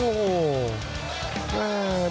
โอ้โหโอ้โห